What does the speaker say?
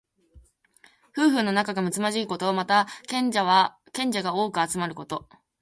夫婦の仲がむつまじいこと。または、賢者が多く集まること。